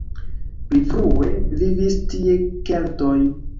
Pli frue vivis tie keltoj.